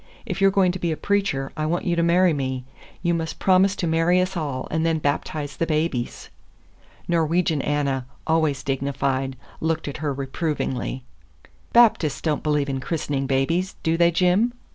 If you're going to be a preacher, I want you to marry me. You must promise to marry us all, and then baptize the babies." Norwegian Anna, always dignified, looked at her reprovingly. "Baptists don't believe in christening babies, do they, Jim?"